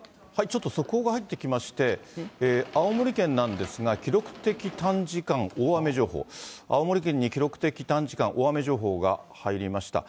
ちょっと速報が入ってきまして、青森県なんですが、記録的短時間大雨情報、青森県に記録的短時間大雨情報が入りました。